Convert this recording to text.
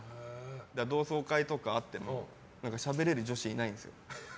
同窓会とかあってもしゃべれる女子がいないんですよ。